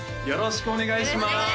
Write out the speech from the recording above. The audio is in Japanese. よろしくお願いします